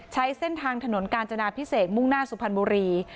ใช้เส้นทางถนนกาญจนาพิเศษมุ่งหน้าสุพรรณบุรี